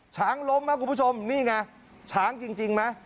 ช้างล้มนะคุณผู้ชมนี่ไงช้างจริงไหม